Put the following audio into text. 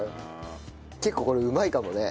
結構これうまいかもね。